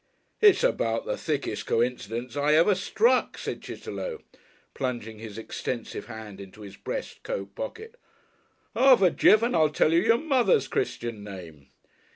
"It's about the thickest coincidence I ever struck," said Chitterlow, plunging his extensive hand into his breast coat pocket. "Half a jiff and I'll tell you your mother's Christian name."